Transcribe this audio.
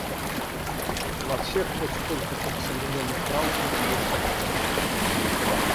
Во всех хоть сколько-то современных браузерах есть эта функция.